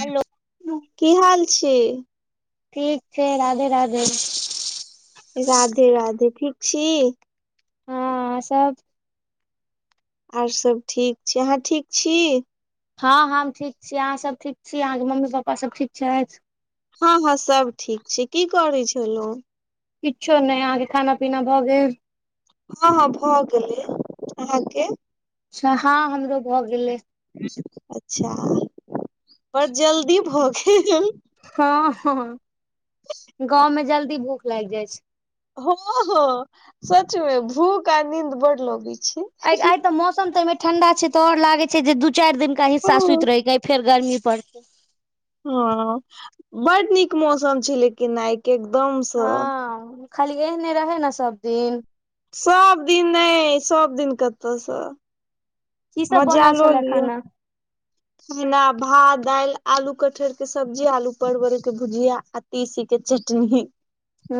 Hello की हाल छे। ठीक छै राधे राधे। राधे -राधे ठीक छी। आर सब। आर सब ठीक छै अहाँ ठीक छी। हँ हं धहम ठीक छी अहाँसभ ठीक छी अहाँके मम्मी पपापा सभ ठीक छैथ। हँ हँ सब ठीक छै की करै छलौ। किछो नहि अहाँके खाना पीना भऽ गेल। हँ हँ भऽ गेलै अहाँके। अच्छा हँ हमरो भऽ गेलै। अच्छा पर जल्दी भऽ गेल। हँ हँ गाँंव में जल्दी भूख लागि जाइ छै हँ हँ सच मे भूख आ नींद बड़ लगै छै। आ आइ त मौसम त एमे ठंडा छै तो आर लागे छै। जे दू चारि दिनका हँ हिस्सा सुति रहि के फेर गर्मी परते। हँ बड नीक मौसम छैे लेकिन आइ के एकदमसँ। हँ खाली एहने रहै न सब दिन। सब दिन नहि सब दिन कतऽसँ। की सब बनल छलै खाना। हमना भात दालि आलू कठहर के सब्जी आलू परवर के भुजिया। तीसी के चटनी।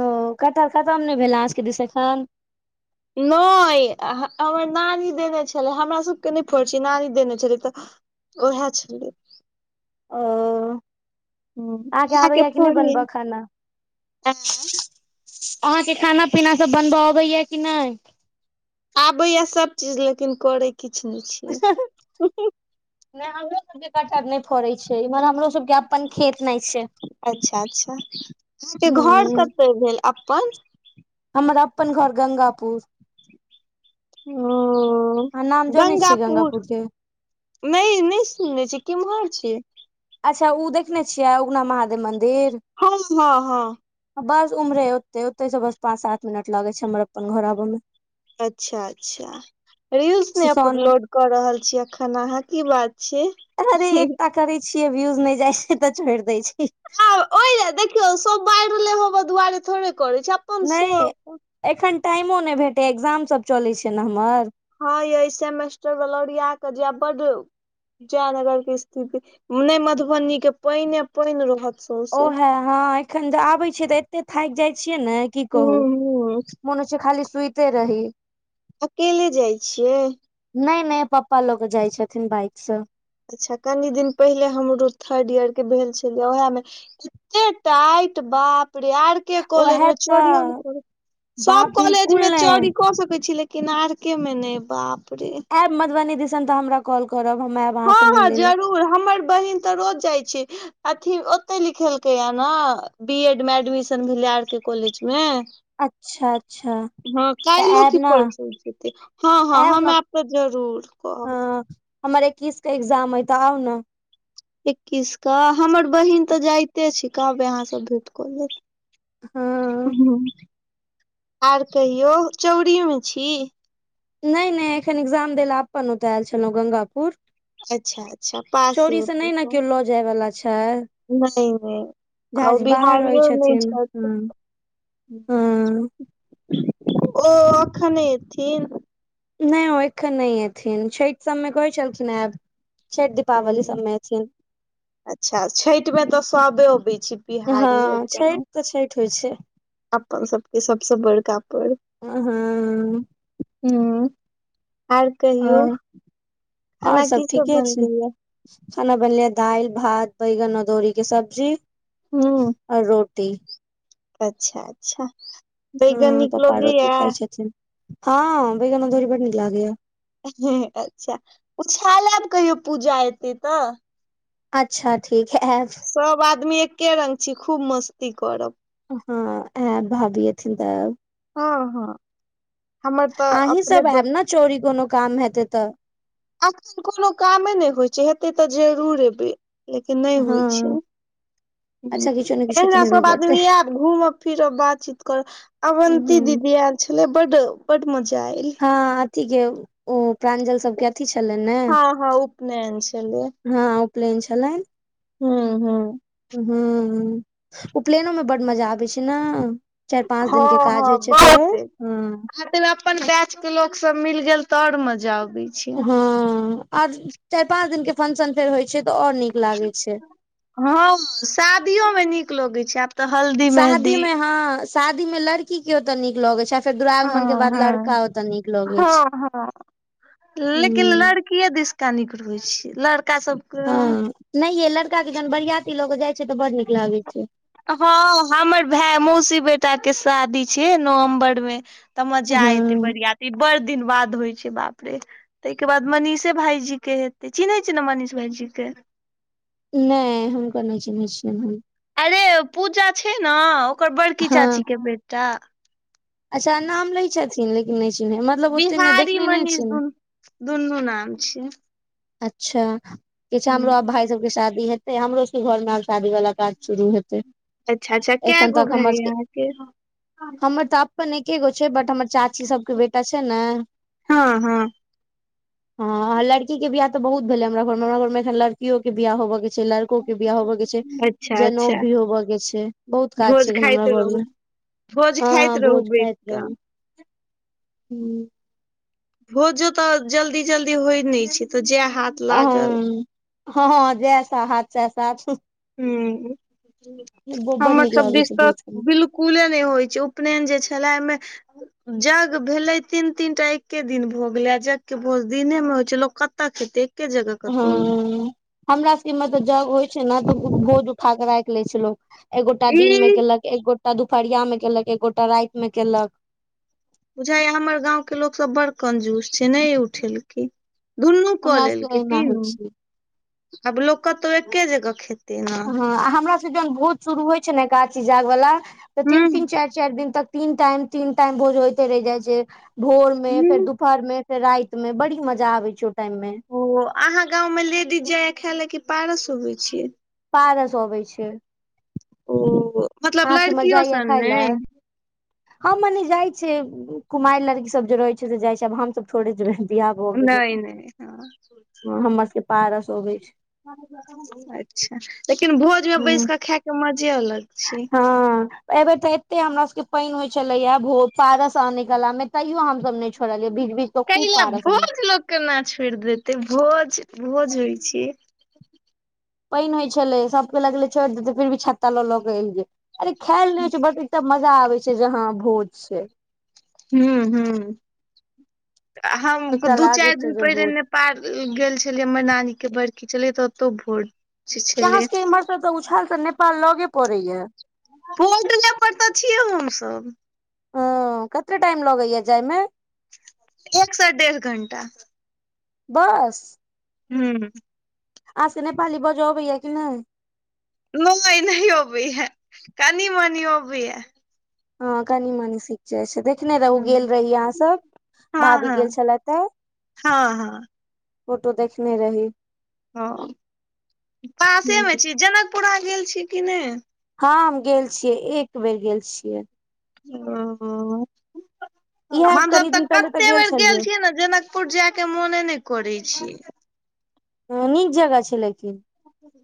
ओ कटहर खतम नहि भेल आहां के दिस एखन। नहि हमर नानी देने छलै हमरा सबके नहि फड़ छ नारी देने छलै तऽ। ओहे छलय। ओ अहाँके ओ अहाँके आबैया कि नहि फरे बनबऽ खाना [unintelligible] अहाँके खाना -पीना सब, बनबऽ अबैया कि नहि। आबैया सभ चीज, लेकिन करय किछु नहि छी। नहि हमरो सबके कटहर नहि फरय छय, इम्हर हमरो सबके अपन खेत नहि छै। अच्छा- अच्छा, अहां के घर हूँ कत भेल अपन हमर अपन घर गंगापुर। ओऽ अहाँ नाम जनै छियै गंगापुर। के नहि -नहि सुने छी, किमहर छिय। अच्छा उ देखने छिय, उगना महादेव मन्दिर। हम हँ -हँ बस उम्हरे, ओतय -ओतय स बस पाँच सात मिनट लगय छै, हमर अपन घर आब में। अच्छा -अच्छा, रील्स ने मे सोना अपलोड कऽ रहल छी, एखन अहाँ, की बात छय। अरे एकटा करै छिय, व्यूज नहि जाइ छै, तऽ छोड़ि दै छीय। आब ओहि ले देखियौ, सब बायरले लेब ले दुआरे थोड़े कर छै। अपन नहि शौक एखन, टाइमो नहि भेटै ये, एक्जामसभ चलय छै ने हमर। हँ ये सेमेस्टर बला ओरिया क जेब बद जयनगर के स्थिति, ने मधुबनी के पयने पेन रहत। सौंसे ओहे हँ एखन जे आबे छिय तऽ एते थाकि जाय छियै ने, की कहू ह मन होइ छै, खाली सुते रही। अकेले जाय छियै। नैय- नैय पपा ल क जाय छथिन बाइक सँ अच्छा कनि दिन पहिले, हमरो थर्ड ईयर के भेल छेलैय, वैह में एते टाइट, बाप रे आर एके कॉलेज ओहे मे चोरीयो ने तऽ करू, बाप सब कॉलेज बिल्कुल में नहि चोरी क सकै छीे लेकिन लेकिन आर के मे नेै, बाप रे आयब मधुबनी दिसन तऽ हमरा कॉल करब, हम ऐऽब हँ- हँ जरूर, हमर बहिन तऽ रोज जाय छैय। अथी ओतेै लिखेलकै या न बी एड मे एडमिशन भेलै, आर के कॉलेज में अच्छा अच्छा हँ तऽ कैल्हो आयब की ने परसु जेतै, हँ -हँ आयब हम ने ऐब जरूर कहब हँ हमर एकिस क एग्जाम अय, तऽ आउ न। एकीस क हमर बहिन तऽ जाइते छैय, कहबे आहाँ से भेंट कऽ लेत। हँ हुं आर कहियौ चौरी में छी। नै -नै एखन एग्जाम देैले, अपन ओतऽ एल छेलौ गंगापुर। अच्छा -अच्छा, पास अय चोरी से नहि ओत ने स। केओ लऽ जाय बला छैय। नै -नै आ ओ रहै बिहारियो नै छथिन छैथ। हँ हँ ओ अखन नय ऐथिन। नै ओ एखन नैय एथिन, छैठ सब मे कहै छेलखिन ऐब। पावली सब मे एथिन। अच्छा-अच्छा, छठि में तऽ सबे अबै छैय बिहारी सब। छैठ त छैठ होइ छै। अप्पन सबके सब स बड़का पर्व। आ हँ। हूॅं आर कहियौ और और खाना की सब ठीके छै बनलैये? खाना बनलैय दालि, भात, बैगन अदौरी के सब्जी ह और रो टी। अच्छा अच्छा। बैगन हॅं नीक पप्पा रोटी लगैया खाय छथिन हँ बैगन अदौरी बड नीक लागेैये। हूं अच्छा उछालब कहियो पूजा एतै तऽ। अच्छा ठीक हे ऐब। सब आदमी एक्के रंग छी खूब मस्ती करब। हँ ऐब भाबी एथिन तऽ ऐब हँ हँ। हमर तऽ अहीं अपने सब ऐब न चोरी कोनो काम हेतै तऽ। अखन कोनो कामे नै होय छै हेतै तऽ जरूर एबै। लेकिन नै हँ होय छै अच्छा किछो ने किछो तऽ अहिना हेबे सब करतै आदमी ऐब घूमब -फिरब बातचीत करब अवन्ती दीदी एल छलै बड्ड -बड्ड मजा एलै। हॅं अथी के ओ प्रांजल सबके अथी छलैन ने। हँ हँ उपनयन छलै हँ उपलैन छलैन। हूँ हूँ। हूँ हूॅं उपलेएनो मे बड्ड मजा अबै छै नऽ। चारि पाँच हँ दिन के काज होय छै फेरो ह। तै मे अप्पन बैच के लोक सब मिल गेल त और मजा अबै छै हँ और चारि पाँच दिन के फन्सन फेर होय छै त और नीक लागै छै। हँ शादियो मे नीक लगै छै आब तऽ हल्दी शादी मेहदी में हँ। शादी मे लड़की के ओतऽ नीक लगेै छै। फेर हँ दुरांगमन के बाद लड़का हँ ओतऽ नीक लगै हँ छै हूँ। कीये दिसका नीक रहै छै लड़का सब के हॅं नै यै लड़का के जहन बरियाती लऽ क जाइ छै तऽ बड नीक लागै छै। हॅं हमर भेए मौसी बेटा के शादी छियै नवम्बर मे। तऽ मजा हँ एतै बरियाती बड़ दिन बाद होइ छै बाप रे। तै के बाद मनीषे भाइजी के हेतै चिन्है छियै ने मनीष भाइजी के। नै हुनका नै चिन्है छियैन हम। अरे पूजा छै नऽ ओकर बड़की हँ चाची के बेटा। अच्छा नाम लै छथिन लेकिन नै चिन्है मतलब ओते ने देखने नै छियनि ने। दुन्हु नाम छियनि। अच्छा कि छै हमरो आब भाइ जी सबके शादी हेतै हमरो सके घर मे आब शादी बला काज शुरू हेतै। अच्छा अच्छा केए एखन गो तक हमर भाइ यऽ सबके अहाँके? हमर तऽ अप्पन एके गो छै बट हमर चाची सबके बेटा छै ने। हॅं हॅं। हॅं लड़की के बियाह तऽ बहुत भेल ए हमरा घर मे, हमरा घर मे एखन लड़कियो के बियाह होबऽ के छै लड़को के बियाह होबऽ के छै। अच्छा जनऊ अच्छा भी होबऽ के छै बहुत काज भोज छै एखन खाइत हमरा घर रहू मे। भोज खाइत हाँ रहू भोज बैस खाइत कऽ रहूं हूं। भोजो तऽ जल्दी जल्दी होय नै छैय तऽ जेह हाथ। लागल हाँ हाँ जैह हाथ सैह साथ। हूं बड़ हमर नीक सब लागै दिश छै तऽ भोज खाय मे बिल। कूले नहि होइत छै उपेनेन जे छलै एहिमे। जग भेलै तीन तीन टा एके दिन भो गेलै यग के भोज दिने मे होइ छैय लोक कतऽ खेतै। एके जगह कतहु न। हँ हमरा सबके मे तऽ जग होइ छैय ने तऽ भोज उठा कऽ राखि लै छैय लोग। एक गोटा दिन में ई केलक एक गोटा दुपहरिया में केलक एक गोटा रात में केलक। बुझाइ या हमर गांव के लोकसब बड़ कंजूस छैय नै उठेलके। दुनू कऽ हमरा सबके लेलके एहिना होइ तीनू छै आब लोक कतौ एके जगह खेत। हाँ आ हमरा सब जहन भोज शुरू होइ छैय ने एकादशी जाग वाला तऽ हूँ तीन- तीन चारि- चारि दिन तक। तीन टाइम -तीन टाइम भोज होते रहि जाइ छैय भोर में फेर हूँ दुपहर मे। राइत में बड़ी मजा आबे छैय ओहि टाइम में। ओ अहाँ गांव में लेडीज जाय या खाय लै की पारस ओबै छै। पारस ओबे छै। ओ मतलब अहाँ सबके लड़कीयों सब नै। हाँ मने जाइ छैय कुमैर लड़की सब जे रहे छैय से जाइ छैय आब हम सब थोड़े जेबै। वियाह भऽ गेले नहि तऽ नहि हँ हमर सबके पारस ओबै छै। अच्छा लेकिन भोजमे बैस हूँ कऽ खैके मजे अलग छै। अहि बेेर तऽ एते हमरा सब के पानी होय छले या भो पारस आने कला में तयो हमस नै छोड़लिये भीज -भीज। कऽ कै खूब ल पारस अनलियै भोज लोग केना छोड़ देते भोज- भोज होइ छै। पानी होइ छले सबके लगले छोड़ि देते फिर भी छत्ता लऽ ल के एलिये अरे खैल नहि होइ छै ब। मजा आबै छैय जे हाँ भोज छै। हूं हूं हम एकटा दू लागे चार छै दिन जे भोज पहिले। पार गेल छलै हमर नानी के बड़खी छलै त ओतौ भोज। य अहाँ छलै सबके इम्हर से तऽ उछाल तऽ नेपाल लगे पड़ैया। बोट ले पर तऽ छियै हम-सब। ओ कते टाइम लगैया जायमे। एक से डेढ़ घंटा। बस। हूं। अहा सब के नेपाली बाजो ओबेया की नई। नहि नहि ओबै या कनी मनी ओबै या। ह कनि मनसी। चा अच्छा देखने रहु हूँ गेल रही अहाँ सब हँ भावी हँ गेल छलै थै। हँ हँ फोटो देखने रही। ह पासे मे ह छी जनकपुरा अहा गेल छी कि नहि। हँ हम गेल छियै एक बेर गेल छियै। ओ इएह हमस कनि तऽ दिन पहिले कते बेर गेल छलियै छीयै न। जनकपुर जाय के मोने ने करै छे। नीक जगह छै लेकीन।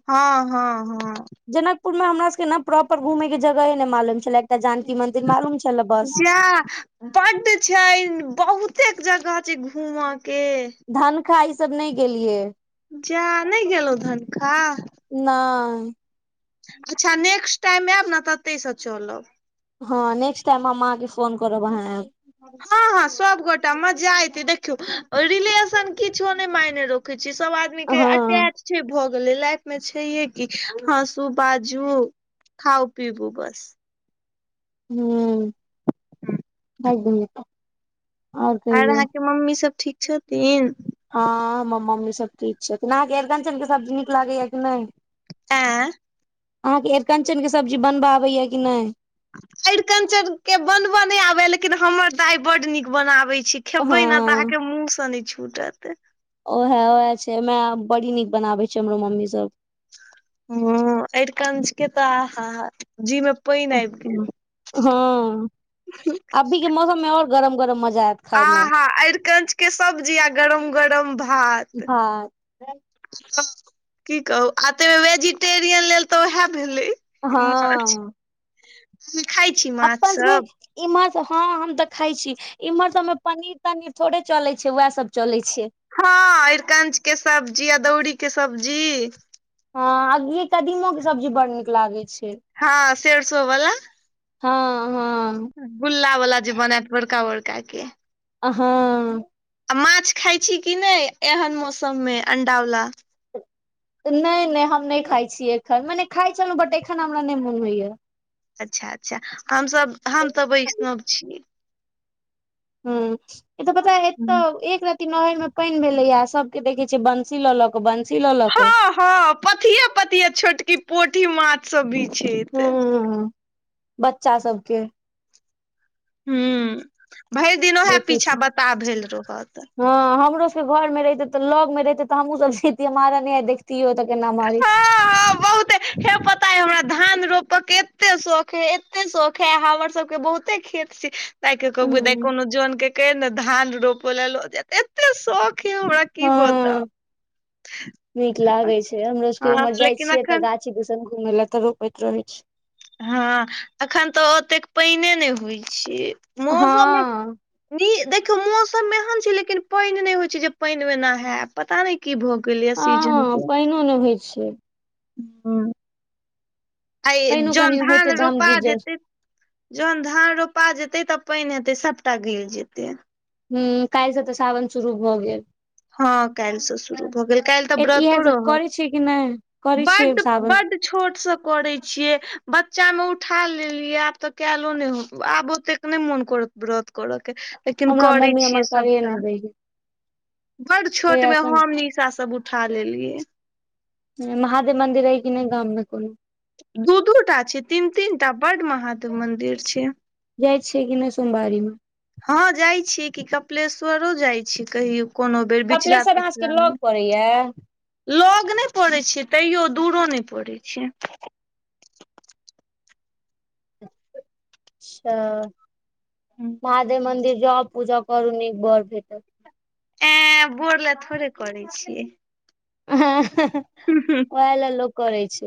हँ हँ हँ। जनकपुर मे हमरा सबके ने प्रॉपर घुमै के जगहे नहि मालूम छलै एकटा जानकी मंन्दिर मालूम छलै बस। जा बड्ड छै बहुतेक जगह छै घूमऽ के। धन खा ई सब नहि गेलियै। जा नहि गेलहुँं धनखाह। नेई। अच्छा नेक्स्ट टाइम ऐब न त अतेहीए स चलब। हँ नेक्स्ट टाइमे ममा के संग। ह। हँ- हँ सब गोटा मजा एते देखु रिलेशन किछो ने मेने रो। किछी सब आदमी के हँ अटैच छै भ। कहलि लए लाइफ मे छैे की हँसू, बाजू, खाउ, पीबू, बस। हू- - हम्म [unintelligible] आओर आर कहियौ अहाँके मम्मी सब ठीक छथिन। ह हमर मम्मी सब ठीक छै थिन अहा के अकचन ने सबजीी। निक लागैया कि नैय, आँ अहाँके अरिकञ्चनके सब्जी बनबऽ आबैया कि नैई? आरिकंचर के बनबऽ नहि आबैया, लेकिन हमर दाय बड नीक बनाबै छै। खेबै ना तऽ हँ अहाँके मुँह से नहि छूटत। ओह ओएह छै ओ में बड़ी नीक बनाबे छै हमरो मम्मी सब। हुं, अर कंजके तऽ आहा जीमे पानि आबि हँ गेल। हँ- - अभी के मौसममे और गरम- गरम मजा आयत खाायमे। आहा अरिकंच के सब्जी आ गरम गरम भात। कि कहु आ तऽ वेजिटेरियन लेल तऽ उएह भेलैई। हँ- - से खइ छी म। अपन सबके इम्हर हँ हम देखााय छी। इम्हर सब में पनीर -तनीर थोड़े चले छै वएह सब चले छियै। हँ अरिकंच के सब्जी अ दौरीी के सब्जी। हँ आ ऐय कदीमो के सब्जी बड़ नीक लागैत छै। हँ सेेरसो बला। हँ हँ। गुल्ला बला जे बनायत बड़का बड़का के। आ्हाँ। आ माछ खााय छी कि नेई एहन मौसम मे अंडावलाा। नहि- नहि हम नहि खाइ छियै एखन मने खााय छलहुँ बट एखन हमरा नेई मोन होइया। अच्छा -अच्छा हमस हम तऽ वैष्णव छी। हुं ए तऽ पता तऽ एक रति। ई नहर मे पेईन भेलैया सबके देखै छै बंसी लऽ लक बंसी लऽ लक। हँ हँ पथिए- पतिया छोटकी पोठी माछ सब बी - - हु बच्चा सबके- - हु भरि दिन ओएह देखै पीछा छी बता भेल रहत। हँ, हमरो सबके के घर मे रहिते तऽ लग मे रहते तऽ हमहू सब जेतिए मारा ने आब जे। तीओ तऽ केना मारि छैई। हँ बहुते हे पता हमरा धान- - धान रोप के एते शौख ऐइ एते शौख ऐइ हमर सबके बहुते खेत छैई। ताय के कहु बु दाई हूँ कोनो जन के केहने धान रोप ल जेएत एते शौख य हमरा की बताउ हँ नीक लागे छै, हमरो सबके हँ उमहर जाय लेकिन छियै तऽ, अखन गाछी दूस घूम ल तऽ, रोपैत रहे छी। हँ एखन तऽ ओतेक पाईनने नहि होइ छै, मौसममे हँ नी देखियौ मौसम मे एहन छै, लेकिन पाईन नहि होइ छै, जे पाईन मे नहायब पता नहि की भऽ गेल या सीजन हँ के पानिओ नै होइ छै, आई पानिओ जन कनि होइतै धान तऽ हम रोपा गिर जाइत जेतै जहन धान रोपा जेते तऽ, पाईन हेतै सबटा गल जेतै। ह काइल सँ तऽ सावन सुरू भ गेल। हँ काइल्ह सँ शुरू भऽ गेल काइल्ह तऽ, ए इएह व्रतो सब रहत करै छियै कि नहि करै छियै बड- सावन बड छोट सँ करै छियै, बच्चा मे उठा लेलियै आब तऽ, कैएलो नहि हो आब ओते नई मोन करत व्रत करऽ के लेकिन हमरा करै मम्मी छियै, हमर करे सभटा नहि दै छै बड् छोट तहिया मे एखन हम निशा सब उठा लेलियै महादेव मंदिर एई कि नइ गाममे कोनो दू दूटा छै, तीन तीनटा बड महादेव मंदिर छै। जाइ छियै कि नय सोमवारी मे। हँ जाइ छीयै कि कपिलेश्वरो जाइ छीयै कहियो कोनो बेर बिचला कपिलेश्वर अहाँ सबके -बिचला लग मे पड़ैया लग नइ पड़ैत छैै, तैयो दूरो नय पड़ैत छै, अच्छा हूँ महादेव मन्दिर जाऊ पूजा करू निक बड़ भेटत एऐ बोर लए थोड़े करै छी। हँ हु -हु खाय ले लोको कर छै